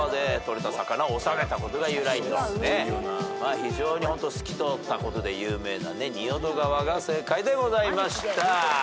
非常に透き通ったことで有名な仁淀川が正解でございました。